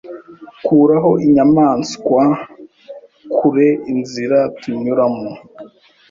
Kuraho inyamaswa kure Inzira tunyuramo